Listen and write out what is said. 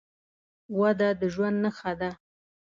وده د ژوند نښه ده.